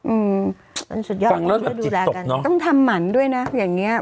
อืมมันสุดยอดนะฝั่งแล้วจำจิตตกเนอะต้องทำหมันมันด้วยน่ะอย่างเงี้ย